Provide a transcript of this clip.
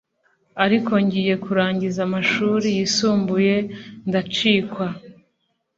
ariko ngiye kurangiza amashuri yisumbuye ndacikwa.